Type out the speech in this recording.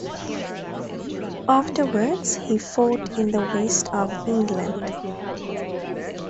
Afterwards he fought in the west of England.